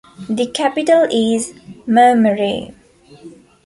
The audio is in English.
The capital is Maumere.